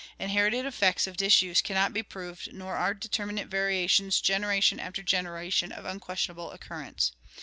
Inherited effects of disuse can not be proved nor are determinate variations generation after generation of unquestionable occurrence.